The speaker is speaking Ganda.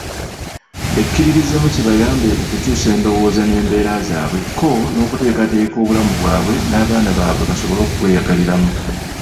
Bekkiririzeemu kibayambe okukyusa endowooza n'embeera zaabwe ko n'okuteekateeka obulamu bwabwe n'abaana baabwe, basobole okubweyagaliramu.